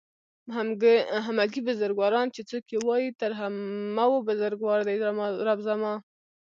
همگي بزرگواران چې څوک يې وايي تر همه و بزرگوار دئ رب زما